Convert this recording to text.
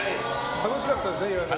楽しかったです。